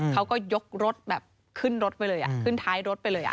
เขาก็ยกรถแบบขึ้นรถไปเลยขึ้นท้ายรถไปเลย